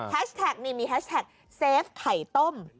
แฮชแท็กนี่มีแฮชแท็ก